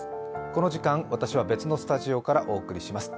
この時間、私は別のスタジオからお送りします。